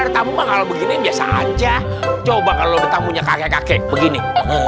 ada tamu kalau begini biasa aja coba kalau tamunya kakek kakek begini